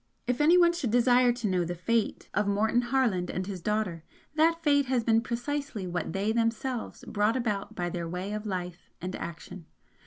If anyone should desire to know the fate of Motion Harland and his daughter, that fate has been precisely what they themselves brought about by their way of life and action.